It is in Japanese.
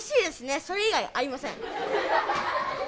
それ以外ありません。